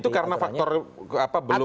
itu karena faktor apa belum